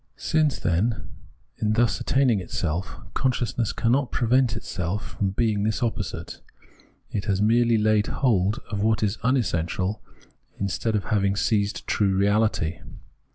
Since, in thus attaining itself, consciousness cannot prevent itself from being this opposite, it has merely laid hold of what is unessential instead of having seized true reahty.